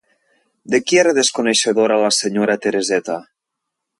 De qui era desconeixedora la senyora Tereseta?